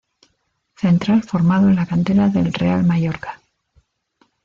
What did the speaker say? Central formado en la cantera del Real Mallorca.